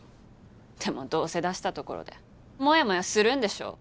でもどうせ出したところでモヤモヤするんでしょ。